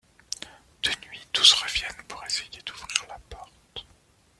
De nuit, tous reviennent pour essayer d'ouvrir la porte.